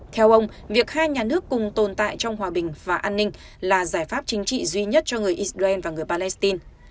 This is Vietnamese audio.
theo ông việc hai nhà nước cùng tồn tại trong hòa bình và an ninh là giải pháp chính trị duy nhất cho người israel và người palestine